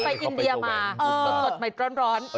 ไปอินเดียมาต้องกดใหม่ร้อน